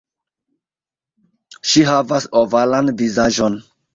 Ŝi havas ovalan vizaĝon.